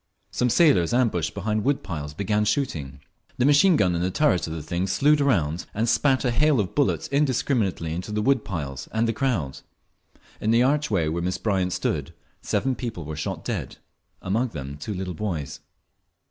Some sailors ambushed behind wood piles began shooting. The machine gun in the turret of the thing slewed around and spat a hail of bullets indiscriminately into the wood piles and the crowd. In the archway where Miss Bryant stood seven people were shot dead, among them two little boys.